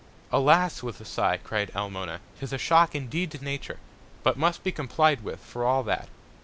Alas! with a Sigh, cried Almona, 'tis a Shock indeed to Nature; but must be complied with for all that.